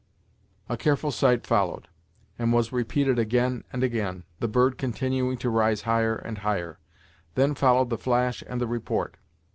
A careful sight followed, and was repeated again and again, the bird continuing to rise higher and higher. Then followed the flash and the report.